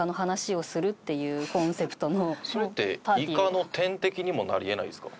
それってイカの天敵にもなり得ないですか？